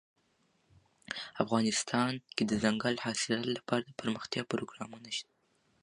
افغانستان کې د دځنګل حاصلات لپاره دپرمختیا پروګرامونه شته.